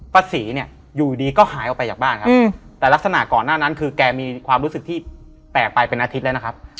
ป้าศรีเนี่ยอยู่ดีก็หายออกไปจากบ้านครับแต่ลักษณะก่อนหน้านั้นคือแกมีความรู้สึกที่แปลกไปเป็นอาทิตย์แล้วนะครับ